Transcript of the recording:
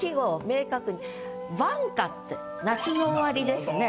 「晩夏」って夏の終わりですね。